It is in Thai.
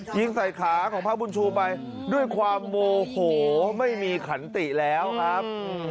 ยิงใส่ขาของพระบุญชูไปด้วยความโมโหไม่มีขันติแล้วครับ